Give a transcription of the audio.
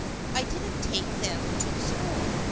I didn't take them to the school.